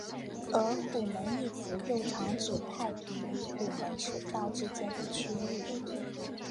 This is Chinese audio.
而虎门一词又常指太平与虎门水道之间的区域。